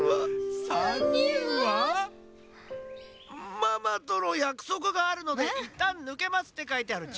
「ママとのやくそくがあるのでいったんぬけます」ってかいてあるっち。